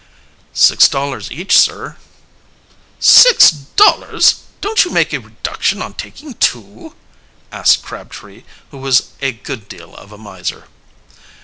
"Six dollars each, sir." "Six dollars! Don't you make a reduction on taking two?" asked Crabtree, who was a good deal of a miser.